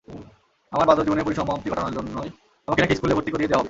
আমার বাঁদরজীবনের সমাপ্তি ঘটানোর জন্যই আমাকে নাকি স্কুলে ভর্তি করিয়ে দেওয়া হবে।